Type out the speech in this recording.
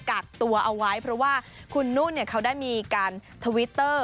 กักตัวเอาไว้เพราะว่าคุณนุ่นเขาได้มีการทวิตเตอร์